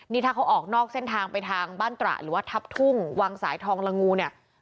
นี่ถ้าเขาออกนอกเส้นทางไปทางบ้านตระหรือว่าทับทุ่งวังสายทองละงูเนี่ย